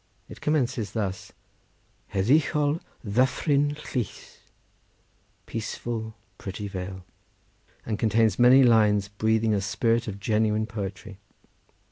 It commences thus: "Heddychol ddyffryn tlws," Peaceful, pretty vale, and contains many lines breathing a spirit of genuine poetry.